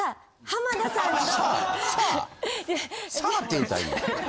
浜田さんと。